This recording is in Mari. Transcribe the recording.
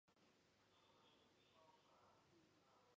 Кодеш тек мурына